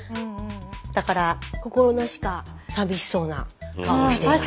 だから心なしか寂しそうな顔をしています。